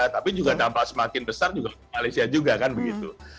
tapi juga dampak semakin besar juga ke malaysia juga kan begitu